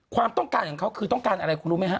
ความต้องการของเขาคือต้องการอะไรคุณรู้ไหมฮะ